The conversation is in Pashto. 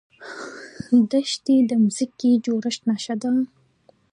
دښتې د ځمکې د جوړښت نښه ده.